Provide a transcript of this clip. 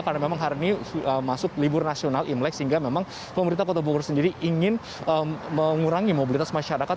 karena memang hari ini masuk libur nasional sehingga memang pemerintah kota bogor sendiri ingin mengurangi mobilitas masyarakat